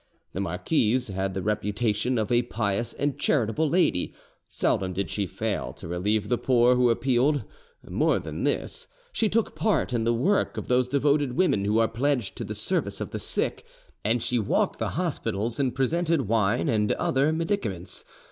The marquise had the reputation of a pious and charitable lady; seldom did she fail to relieve the poor who appealed: more than this, she took part in the work of those devoted women who are pledged to the service of the sick, and she walked the hospitals and presented wine and other medicaments.